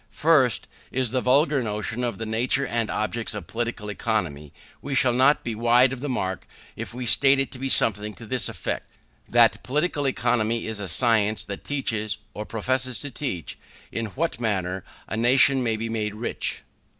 First, as to the vulgar notion of the nature and object of Political Economy, we shall not be wide of the mark if we state it to be something to this effect: That Political Economy is a science which teaches, or professes to teach, in what manner a nation may be made rich.